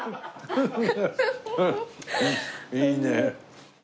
いいね。